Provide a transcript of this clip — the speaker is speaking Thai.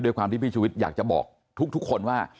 ความที่พี่ชุวิตอยากจะบอกทุกคนว่า